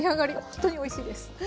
ほんとにおいしいです。